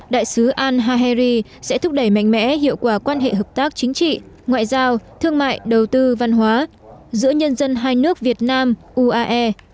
đại sứ al haheri sẽ thúc đẩy mạnh mẽ hiệu quả quan hệ hợp tác chính trị ngoại giao thương mại đầu tư văn hóa giữa nhân dân hai nước việt nam uae